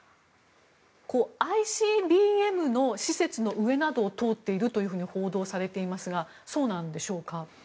ＩＣＢＭの施設の上などを通っていると報道されていますがそうなんでしょうか。